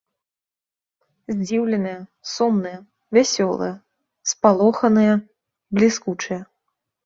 Здзіўленыя, сумныя, вясёлыя, спалоханыя, бліскучыя.